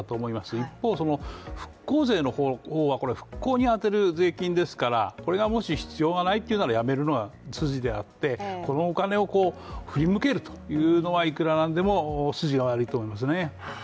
一方、復興税は復興に充てる税金ですからこれがもし必要がないっていうのであればやめるのが筋であってこのお金を振り向けるというのはいくらなんでも筋が悪いと思いますね。